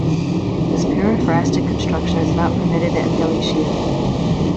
This periphrastic construction is not permitted in Galician.